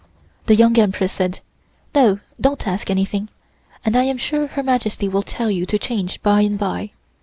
The Young Empress said: "No, don't ask anything, and I am sure Her Majesty will tell you to change by and by.